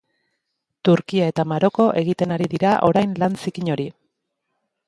Turkia eta Maroko egiten ari dira orain lan zikin hori.